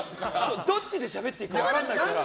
どっちでしゃべっていいか分かんないから。